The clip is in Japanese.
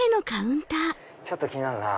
ちょっと気になるなぁ。